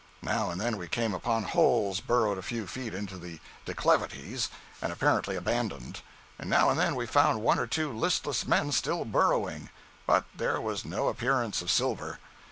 Now and then we came upon holes burrowed a few feet into the declivities and apparently abandoned; and now and then we found one or two listless men still burrowing. But there was no appearance of silver.